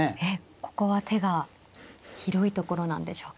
ここは手が広いところなんでしょうか。